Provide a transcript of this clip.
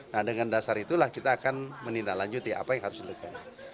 nah dengan dasar itulah kita akan menindaklanjuti apa yang harus dilakukan